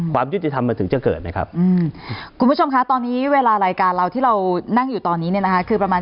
ความยุติธรรมมันถึงที่จะเกิดนะครับ